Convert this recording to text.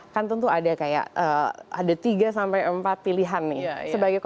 kan tentu ada kayak ada tiga sampai empat pilihan nih